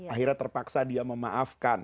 akhirnya terpaksa dia memaafkan